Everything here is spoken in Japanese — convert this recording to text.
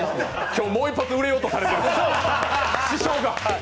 今日、もう一発売れようとされている、師匠が！